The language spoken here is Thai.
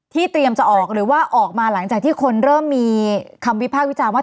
เตรียมจะออกหรือว่าออกมาหลังจากที่คนเริ่มมีคำวิพากษ์วิจารณ์ว่า